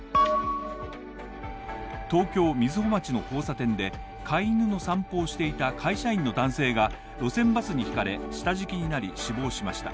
東京瑞穂町の交差点で、飼い犬の散歩をしていた会社員の男性が路線バスにひかれ、下敷きになり死亡しました。